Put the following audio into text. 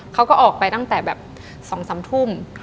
เขาก็ออกไปตั้งแต่แบบ๒๓ทุ่ม